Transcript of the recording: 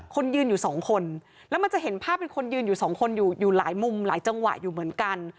คนยืนอยู่สองคนแล้วมันจะเห็นภาพเป็นคนยืนอยู่สองคนอยู่อยู่หลายมุมหลายจังหวะอยู่เหมือนกัน